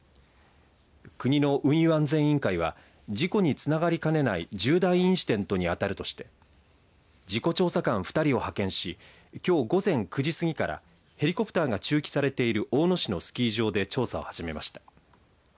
国の運輸安全委員会は事故につながりかねない重大インシデントに当たるとして事故調査官２人を派遣しきょう午前９時過ぎからヘリコプターが駐機されている大野市のスキー場で調査を始めました。